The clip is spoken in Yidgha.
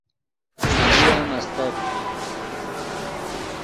بجلی ام استت